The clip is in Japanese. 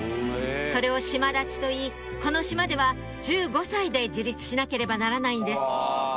それを島立ちといいこの島では１５歳で自立しなければならないんです